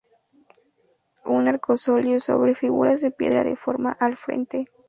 Un arcosolio sobre figuras de piedra da forma al frente.